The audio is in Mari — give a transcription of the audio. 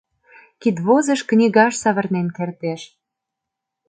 — Кидвозыш книгаш савырнен кертеш!